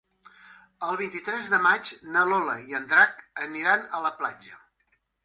El vint-i-tres de maig na Lola i en Drac aniran a la platja.